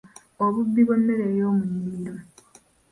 Obubbi bw’emmere eyoomunnimiro.